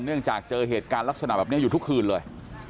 เนื่องจากเจอเหตุการณ์ลักษณะแบบนี้อยู่ทุกคืนเลย